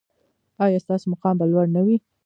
ایا ستاسو مقام به لوړ نه وي؟